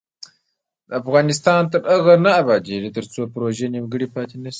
افغانستان تر هغو نه ابادیږي، ترڅو پروژې نیمګړې پاتې نشي.